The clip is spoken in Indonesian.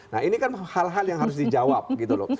nah ini kan hal hal yang harus dijawab gitu loh